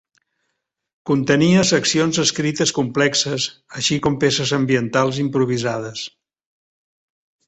Contenia seccions escrites complexes, així com peces ambientals improvisades.